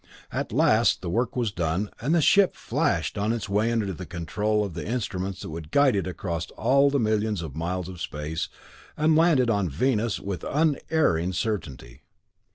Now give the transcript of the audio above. At last the work was done and the ship flashed on its way under the control of the instruments that would guide it across all the millions of miles of space and land it on Venus with unerring certainty.